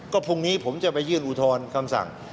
ก็พรุ่งนี้ผมจะไปยื่นอุทธรณ์คำสั่ง